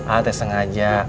ah teh sengaja